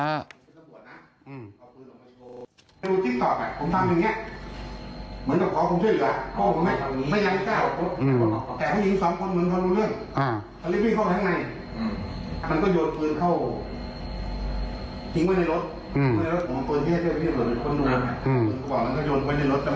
เอาพื้นออกมาโชว์ติ๊กตอบอะผมทำอย่างเงี้ยเหมือนกับพอผมช่วยเหลือโค้งผมไหม